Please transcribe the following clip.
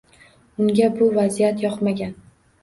Unga bu vaziyat yoqmagan